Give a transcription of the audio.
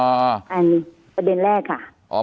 อันนี้ประเด็นแรกค่ะ